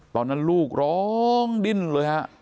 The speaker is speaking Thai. ตอนนั้นลูกร้องดิ้นเลยฮะ